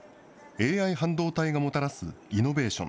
ＡＩ半導体がもたらすイノベーション。